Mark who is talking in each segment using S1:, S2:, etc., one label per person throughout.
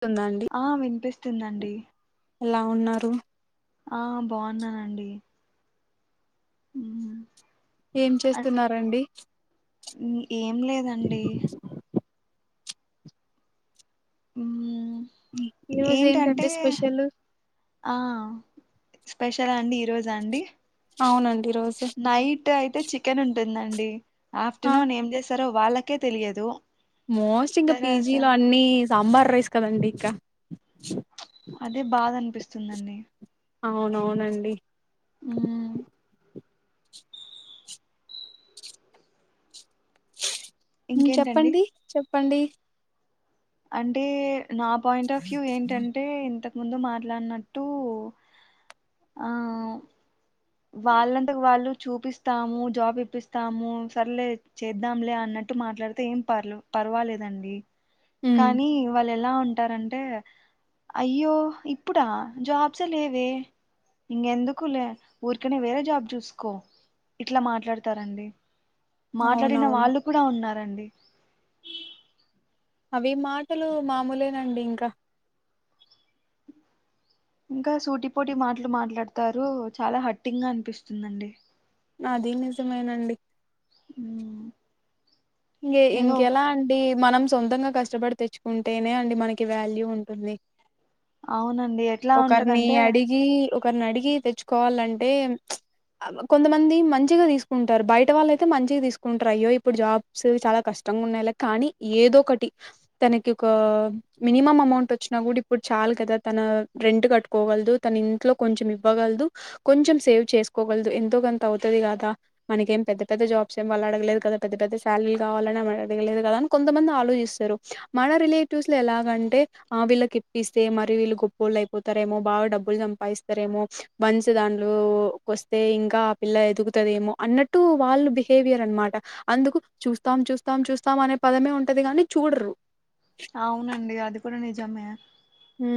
S1: స్తుందా అండి
S2: ఆ వినిపిస్తుందండి
S1: ఎలా ఉన్నారు
S2: ఆ బాగున్నానండి హుమ్
S1: ఏం చేస్తున్నారంండి
S2: ఏం లేదండి ఉ
S1: ఈ రోజు ఏంటంటే స్పెషల్
S2: ఆ స్పెషల్ అండి ఈ రోజ అండి
S1: అవునం
S2: నైట్ అయితే చికెన్ ఉన్ టున్ అండి
S1: ఆ
S2: ఆఫ్టర్నూన్ ఏం చేశారో వాళ్ళకే తెలియదు
S1: మోస్ట్ ఇంకా
S2: తర్వాత
S1: పీజీ లో అన్ని సాంబార్ రైస్ కదండి ఇంకా
S2: అదే బాధ అనిపిస్తుంది వస్తుందండి
S1: అవునవునండి
S2: హ ఇంకేంటండి
S1: చెప్పండి చె ప్పండి
S2: అంటే నా పాయింట్ ఆఫ్ వ్యూ ఏంటంటే ఇంత ముందు మాట్లాడినట్టు ఆ వాళ్ళంతకు వాళ్ళు చూపిస్తాము జాబ్ ఇప్పిస్తాము సరేలే చేద్దాంలే అన్నట్టు మాట్లాడితే ఏం పర్ పర్వాలేదండి
S1: ఉమ్
S2: కానీ వాళ్ళ ఎలా ఎలా ఉంటారంటే అయ్యో ఇప్పుడా జాబ్స్ లేవ ఇంకెందుకు లే ఊరికనే వేరే జాబ్ చూసుకో ఇట్లా మాట్లాడతారండి మాట్లాడిన
S1: అవునవును
S2: వాళ్ళు కూడా ఉన్నారు రండి
S1: అవి మాటలు మామూలేనండి ఇంకా
S2: ఇంకా సూటి పోటి మాటలు మాట్లాడతారు చాలా హట్టింగ్ అనిపిస్తుందండి
S1: నాది నిజమేనండి
S2: అ
S1: ఇంక ఇంకెలా అండి మనం సొంతంగా కష్టపడి తెచ్చుకుంటేనే అండి మనకి వాల్యూ ఉంటుంది
S2: అవునండి ఎట్లా
S1: ఒకరిని
S2: ఉంటదంటే
S1: అడిగి ఒకరిని అడిగి తెచ్చుకోవాలంటే అంటే కొంతమంది మంచిగా తీసుకుంటారు బయట వాళ్ళు అయితే మంచిగా తీసుకుంటారు అయ్యో ఇప్పుడు జాబ్ చాలా కష్టంగా ఉన్నాయిలా కానీ ఏదో ఒకటి తనకి ఒక మినిమం అమౌంట్ వచ్చినా కూడా ఇప్పుడు చాలు కదా తన రెంట్ కట్టుకోగలదు తన ఇంట్లో కొంచెం ఇవ్వగలదు కొంచెం సేవ్ చేసుకోగలదు ఎంతో కొంత అవుతుది కదా మనక ఏం పెద్ద పెద్ద జాబ్స్ ఏంళ్ళు అడగలేదు కదా పెద్ద పెద్ద ాలలు కావాలని మనగలేదు కదా అని కొంతమంది ఆలోచిస్తారు మన రిలేటివ్స్ లో ఎలాగంటే ఆ వీళ్ళకిప్పిస్తే మరి వీళ్ళు గొప్పోళ్ళు అయిపోతారేమో బాగా డబ్బులు సంపాదిస్తారేమో మంచిదాంలోకి వస్తే ఇంకా ఆ పిల్ల ఎదుగుతదేమో అన్నట్టు వాళ్ళు బిహేవియర్ అనమాట అందుకు చూస్తాం చూస్తాం చూస్తాం అనే పదమే ఉంటది కాగాని చూడరు
S2: అవునండి అది కూడా నిజమే
S1: హ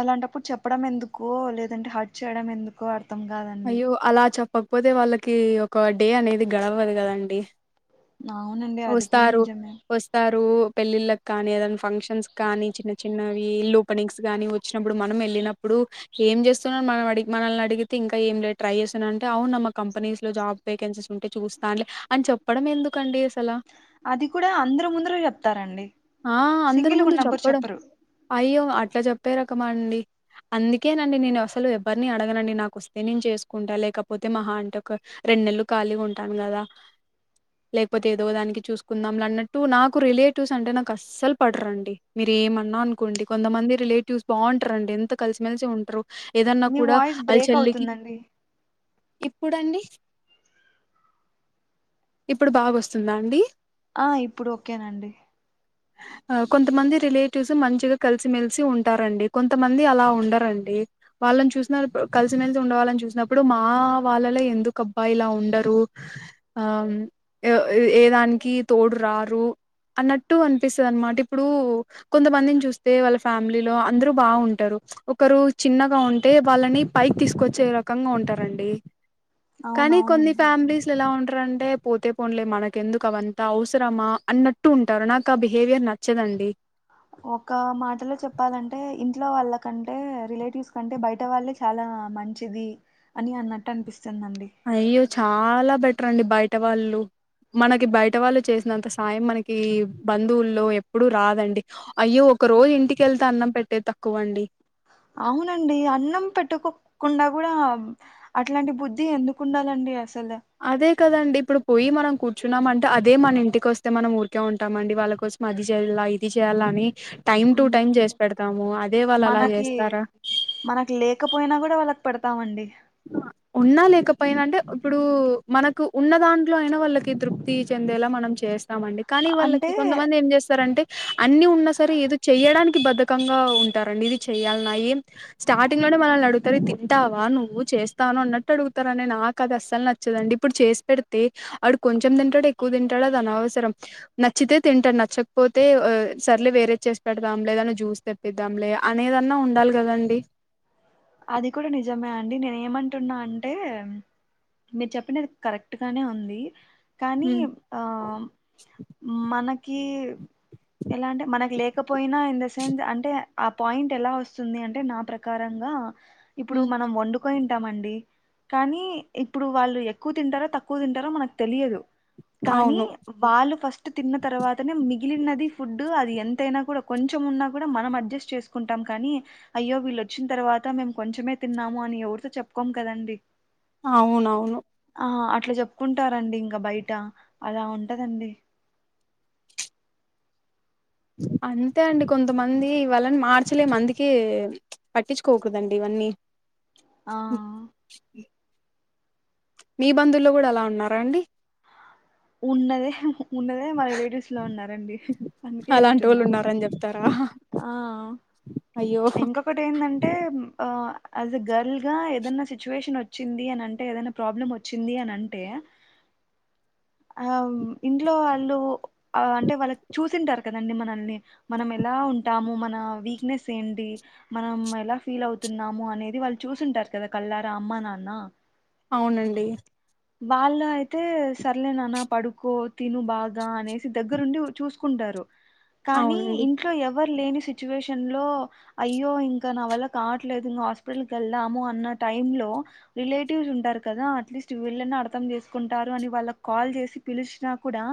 S2: అలాంటప్పుడు చెప్పడం ఎందుకో లేదంటే హట్ చేయడం ఎందుకో అ
S1: అయ్యో అలా చెప్ప కాకపోతే వాళ్ళకి ఒక డే అనేది గడవదు కదండి
S2: అవునండి అది కూడా
S1: వస్తస్తారు
S2: నిజమే
S1: వస్తస్తారు పెళ్ళిల్ కానిద ఫంక్షన్స్ కానీ చిన్న చిన్న ఇల్ ఓపెనింగ్స్ గాని వచ్చినప్పుడు మనం వెళ్ళినప్పుడు ఏం చేస్తున్నా మనం మనల్ని అడిగితే ఇంకా ఇ ఏం లేదు ట్రై చేశానంటే అవునుమ్ మా కంపెనీస్ లో జాబ్ వేకెన్సీస్ ఉంటే చూస్తానులే అని చెప్పడం ఎందుకండి అసలు
S2: అది కూడా అందరు ముందర చెప్తారంండి
S1: ఆ అందరి
S2: సింగిల్గా ఉన్నప్పుడు చెప్పరు
S1: ఇట్లా చెప్పే రకమా అండి అందుకేనండి నేను అసలు ఎవరిని అడగనండి నాకు వస్త నేను చేసుకుంటాలేకపోతే మహా అంటే ఒక రెండు నెలలు కలిగ ఉంటాను కదా లేకపోతే ఏదో దానికి చూసుకుందాంలే అన్నట్టు నాకు రిలేటివ్స్ అంటే నాకు అస్సలు పడరండి మీరు ఏమన్నా అనుకోండి కొంతమంది రిలేటివ్స్ బాగుంటారండి ఎంత కలిసిమెలిసి ఉంటారు. ఏదన్నా
S2: మీ
S1: కూడా
S2: వాయిస్
S1: వాళ్ళ
S2: బ్రేక్
S1: చెల్లికి
S2: అవుతుందండి
S1: ఇప్పుడుండి ఇప్పుడు బాగోస్తుందా అండి.
S2: ఆ ఇప్పుడు ఓకేనండి
S1: ఆ కొంతమంది రిలేటివ్స్ మంచిగా కలిసిమేలిసి ఉంటారం. డి కొంతమంది అలా ఉండరండి. వాళ్ళని చూసిన కలిసిమేలిసి ఉండావలని చూసినప్పుడు మా వాళ్ళలో ఎందుకు అబ్బాయిలా ఉండరు ఏదానికి తోడు రారు అన్నట్టు అనిపిస్తుంది అనమాట ఇప్పుడు కొంతమందిని చూస్తే వాళ్ళ ఫ్యామిలీలో అందరు బాగుంటారు. ఒకరు చిన్నగా ఉంటే వాళ్ళని పై తీసుకొచ్చే రకంగా ఉంటారండి. కానీ కొన్ని
S2: అవునవునండి నిజమే
S1: ఫ్యామిలీస్లో ఎలా ఉంటారు అంటే. పోతే పోనలే మనకెందుకు అవంతా అవసరమా అన్నట్టు ఉంటారు నాకు ఆ బిహేవియర్ నచ్చదండి
S2: ఒక మాటలో చెప్పాలంటే ఇంట్లో వాళ్ళ కంటే రిలేటివ్స్ కంటే బయట వాళ్ళే చాలా మంచిది. అని అన్నట్టు అనిపిస్తుంది.
S1: అయ్యో చాలా బట్ రండి బయట వాళ్ళు మనకి బయట వాళ్ళు చేసినంత సాయం మనకి బంధువుల్లో ఎప్పుడు రాదండి అయ్యో ఒక రోజు ఇంటికెళ్తే అన్నం పెట్టేది తక్కువండి.
S2: అవునండి అన్నం పెట్టుకోకుండా కూడా అట్లాంటి బుద్ధి ఎందుకు ఉండాలండి అస చల
S1: అదే కదండి ఇప్పుడు పోయి మనం కూర్చున్నామ అంటే అదే మన ఇంటికి వస్తే మనం ఊరికే ఉంటామండి వాళ్ళ కోసం అది చేయాల ఇది చేయ్యాల అని టైమ్ టు టైం
S2: మ్మ్.
S1: చేసి పెడతాము అదే వాళ్ళు అలా
S2: మనకి
S1: చేస్తారా.
S2: పడతామండి
S1: ఉన్నా లేకపోయినా అంటే ఇప్పుడు మనకు ఉన్న దాంట్లో అయినా వాళ్ళకి తృప్తి చెందేలా మనం చేస్తం ఇస్తామండి కానీ వాళ్ళకి
S2: అంటే
S1: కొంతమంది ఏం చేస్తారంటే అన్ని ఉన్నా సరే ఏదో చెయడానికి బధకంగా ఉంటారండి ఇది చెయాలన్నాయి స్టార్టింగ్ లోనే మనల్ని అడుగుతారు తింటావా నువ్వు చేస్తాను అన్నట్టు అడుగుతారుని నాకు అది అస్సలు నచ్చదండి ఇప్పుడు చేసి పెడితే వాడు కొంచెం తింటాడు ఎక్కువ తింటాడు అది అనవసరం నచ్చితే తింటాడు నచ్చకపోతే సర్లే వేరే చేసి పెడదాం లేదాని జ్యూస్ తెప్పిద్దాం లే అనేదన్నా ఉండాలి కదండి
S2: అది కూడా నిజమే అండి నేను ఏమంటున్నా అంటే మీరు చెప్పినది కరెక్టుగా నే ఉంది కానీ ఆ మన కి ఎలా అంటే మనకు లేకపోయినా ఇన్ ద సెన్స్ అంటే ఆ పాయింట్ ఎలా వస్తుంది అంటే నా ప్రకారంగా. ఇప్పుడు
S1: ఉమ్
S2: మనం వొండు కొని తక్కువ తింటామండి కానీ ఇప్పుడు వాళ్ళు ఎక్కువ తింటారో తక్కువ తింటారో మనకు తెలియదు కానీ
S1: అవును
S2: వాళ్ళు ఫస్ట్ తిన్న తర్వాతనే మి మిగిలినది ఫుడ్ అది ఎంతైనా కూడా కొంచెం ఉన్నా కూడా మనం అడ్జస్ట్ చేసుకుంటాం కానీ అయ్యో వీళ్ళు వచ్చిన తర్వాత మేము కొంచెమే తిన్నాము అని ఎవరితో చెప్పుకోం కదండి
S1: అవునవును
S2: ఆ అట్లా చెప్పుకుంటారండి ఇంకా బయట అలా ఉంటదండి
S1: అంతే అండి కొంతమంది. ఇవాళని మార్చలే అందుకే పట్టించుకోకూదండి ఇవన్నీ
S2: ఆ
S1: మీ బంధువుల్లో కూడా అలా ఉన్నారా అండి
S2: ఉన్నది ఉన్నదే మా రిలేటివ్స్ లో ఉన్నారండి అందుకే
S1: అలాంటి
S2: చెప్తున్న
S1: వాళ్ళు ఉన్నారని చెప్తారా
S2: ఆ
S1: అయ్యో
S2: ఇంకొకటి ఏంటంటే ఆ అ యాజ్ ఎ గర్ల్ గా ఏదనా సిచ్యువేషన్ వచ్చింది అని అంటే ఏదనా ప్రాబ్లం వచ్చింది అని అంటే ఇంట్లో వాళ్ళు అంటే వాళ్ళకి చూసింటారు కదండి మనల్ని మనం ఎలా ఉంటాము మన వీక్నెస్ ఏడి మనం ఎలా ఫీల్ అవుతున్నాము అనేది వాళ్ళు చూసుంటారు కదా కళ్ళారా అమ్మ నాన్న
S1: అవునండి
S2: వాళ్ళ అయితే సర్లేనన్న పడుకో తిను బాగా అనేసి దగ్గరుండి చూసుకుంటారు కానీ
S1: అవునండి
S2: ఇంట్లో ఎవ లేని సిచ్యుేషన్ లో అయ్యో ఇంకా నా వల్ల కావట్లేదు ఇం హాస్పిటల్ వెళ్ళాము అన్న టై లో రిలేటివ్స్ ఉంటారు కదా అట్లీస్ట్ వీళ్ళని అర్థం చేసుకుంటారు అని వాళ్ళ కాల్ చేసి పిలిచిన కూడా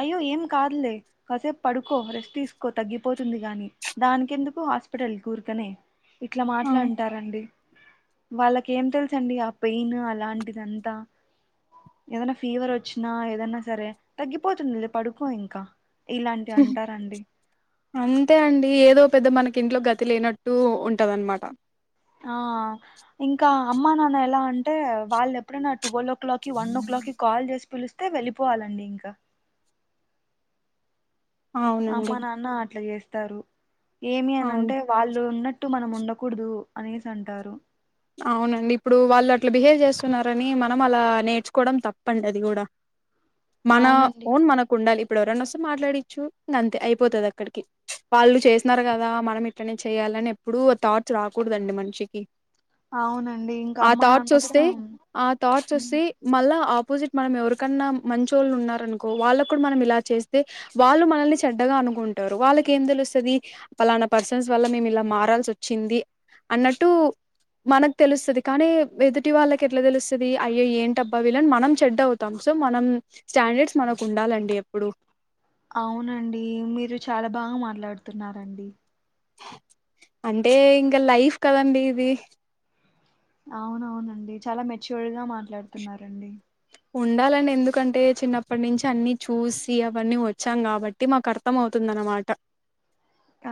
S2: అయ్యో ఏం కాదులే కాసేపు పడుకో రెస్ట్ తీసుకో తగ్గిపోతుంది కాగాని దానిక ఎందుకు హాస్పిటల్ కూర్కనే ఇట్లా
S1: ఆ
S2: మాట్లా అంటారండి వాళ్ళకి ఏం తెలుస అండి ఆ పెయిన్ అలాంటిది అంతా ఏదనా ఫీవర్ వచ్చిన ఏదైనా సరే తగ్గిపోతుంది పడుకో ఇంకా ఇలాంటివి అంటారండి
S1: అంతే అండి ఏదో పెద్ద మనకి ఇంట్లో గతి లేనట్టు ఉంటద అనమాట
S2: ఆ ఇంకా అమ్మా నాన్న ఎలా అంటే వాళ్ళు ఎప్పుడైనాటుగోల్ కలాకి వన్ ఓ కలాక్ కి కాల్ చేసి పిలుస్త అయితే వెళ్ళిపోవాలండి ఇంకా
S1: అవునండి
S2: అమ్మ నాన్న అట్లా చేస్త తరు ఏమి అని
S1: అవును
S2: అంటే వాళ్ళు ఉన్న చుటు మనం ఉండకూడదు అనేసి అంటారు
S1: అవునండి ఇప్పుడు వాళ్ళు అట్లా బిహేవ్ చేస్తున్నారని మనం అలా నేర్చుకోవడం తప్పండి అది కూడా మన
S2: అవునండి
S1: ఓన్ మనకు ఉండాలి ఇప్పుడుెవరనా వస్తే మాట్లాడిచ్చు అంతే అయిపోతుంది అక్కడికి వాళ్ళు చేసినన్నారు కదా మనం ఇట్లనే చేయాలని ఎప్పుడూ థాట్స్ రాకూడదండి మనిషికి
S2: అవునండి ఇంకా
S1: ఆ
S2: అమ్మ
S1: థాట్స్
S2: నాన్న కూడా
S1: వస్తే ఆ థాట్స్ వస్తే మళ్ళా ఆ అపోజిట్ మనం ఎవరికన్నా మంచి వాళ్ళు ఉన్నారనుకో వాళ్ళకు కూడా మనం ఇలా చేస్తే వాళ్ళు మనల్ని చెడ్డగా అనుకుంటారు వాళ్ళకి ఏం తెలుస్తుంది పలానా పర్సన్స్ వల్ల మేము ఇలా మారాల్సి వచ్చింది అన్నట్టు మనకు తెలుస్తుంది కానీ ఎదుటి వాళ్ళకి ఎట్లా తెలుస్తుంది అయ్య ఏంట అబ్బా వీలని మనం చెడ్డ అవుతాం సో మనం స్టాండర్డ్స్ మనకు ఉండాలండి ఎప్పుడు
S2: అవునండి మీరు చాలా బాగా మాట్లాడుతున్నారండి
S1: అంటే ఇంకా లైఫ్ కదండి ఇది
S2: అవునవునండి చాలా మెచ్యూర్ గా మాట్లాడుతున్నడి
S1: ఉండాలని ఎందుకంటే చిన్నప్పటి నుంచి అన్ని చూసి అవన్నీ వచ్చాం కాబట్టి మాకు అర్థం అవుతుంది అన్నమాట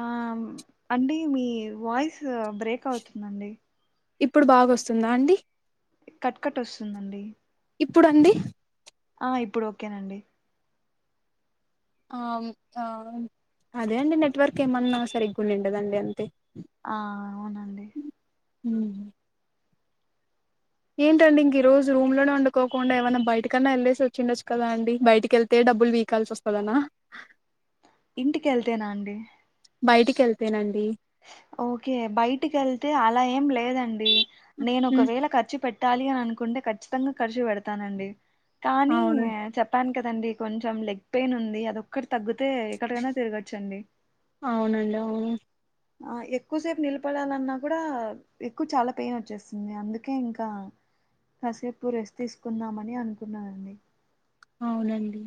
S2: ఆ అంటే మీ వాయిస్ బ్రేక్ అవుతుందండి
S1: ఇప్పుడు బాగాస్తుందా అండి
S2: కట్కట్ వస్తుందండి
S1: ఇప్పుడుండి
S2: ఆ ఇప్పుడు ఓకేనండి
S1: ఆ ఆ అదే అండి నెట్వర్క్ ఏమన్నా సరే ఎ్గుని ఉండదండి అంతే
S2: ఆ అవునండి
S1: హ ఏంటండి ఇంక ఈ రోజు రూమ్ లోనే వండుకోకుండా ఏమన్నా బయటకన్నా వెళ్ళేసి వచ్చిండొచ్చు కదా అండి బయటికి వెళ్తే డబ్బులు వీకాల్సి వస్తుందనా
S2: ఇంటికి వెళ్తేనా అండి
S1: బయటికి వెళ్తేనండి
S2: ఓకే బయటికి వెళ్తే అలా ఏం లేదండి నేను ఒకవే కఖర్చి పెట్ టాలి అని అనుకుంటే ఖచ్చితంగా ఖర్చు పెడతానండి. కానీ
S1: అవునండి
S2: చెప్పాన్. కదండి కొంచెం లెగ్ పెయిన్ ఉంది. అది ఒక్క తగ్గితే ఎక్కడికైనా తిరగచ్చండి.
S1: అవునండి అవును
S2: ఆ ఎక్కువసేపు నిలబడాలన్నా కూడా ఎక్కువ చాలా పెయిన్ వచ్చేస్తుంది. అందుకే ఇంకా కాసేపు రెస్ట్ తీసుకుందామని అనుకున్నానండి.
S1: అవునండి.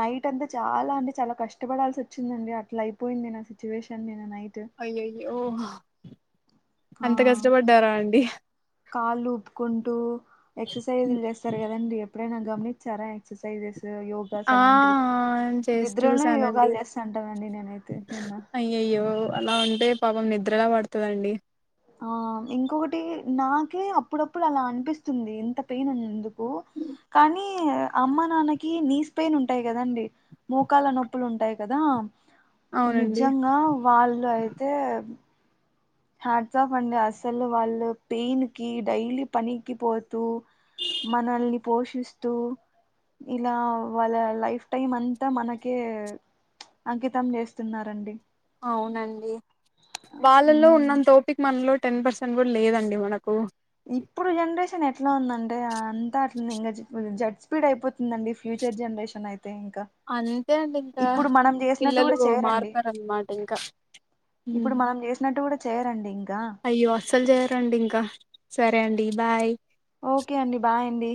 S2: నైట్ అంతే చాలా అంటే చాలా కష్టపడాల్సి వచ్చిందండి. అట్లా అయిపోయింది నా సిచ్యువేషన్ నిన నైట్
S1: అయ్యయో కు
S2: ఆ
S1: అంత కష్టపడ్డారా అండి.
S2: కాళ్ళు ఊపుకుంటూ ఎక్ససైజ్లు చేస్సారు కదండి. ఎప్పుడైనా గమనిచ్చారా ఎక్ససైస్ స్ యోగాస్
S1: ఆ
S2: అలాంటివి
S1: చేసి
S2: నిద్ద్రనే
S1: చూసానండి
S2: యోగాలు చేస్సంటానండి నేనైతే నిన్న
S1: అయ్యయ్యో అలా ఉంటే పాపం నిద్రలా పడతదండి.
S2: ఆ ఇంకొకటి నాకే అప్పుడప్పుడు అలా అనిపిస్తుంది. ఇంత పెయిన్ ఎందుకు కానీ అమ్మ నాన్నకి నీస్ పెయిన్ ఉంటాయ్ కదండి. మోకాల నొప్పులు ఉంటాయ్ కదా.
S1: అవునండి
S2: నిజంగా వాళ్ళు అయితే హాట్సాఫ్ అండి అసలు వాళ్ళు పెయిన్ కి డైలీ పనికి పోతూ మనల్ని పోషిస్తూ ఇలా వాళ్ళ లైఫ్ టైమ్ అంతా మనకే చ్ అంకితం చేస్తున్నారండి. ఉమ్.
S1: మన్ తోటిక్ మ లో టెన్ పర్సెంట్ కూడా లేదండి. మనకు
S2: ఇప్పుడు జనరేషన్ ఎట్లా ఉందంటే అంతా అట్లా ఇంగ జ జడ్ స్పీడ్ అయిపోతుందండి. ఫ్యూచర్ జనరేషన్ అయ్
S1: అంతే అండి ఇంకా
S2: మనం చేసినట్టు
S1: పిల్లలు
S2: కూడా చేయరండి
S1: మారుతారన్నమాట ఇంకా ఉ
S2: ఇప్పుడు మనం చేసినట్టు కూడా చేయరండి ఇంకా
S1: అయ్యో అస్సలు చేయరండి. ఇంకా సరే అండి బాయ్.
S2: ఓకే అండి బాయండి.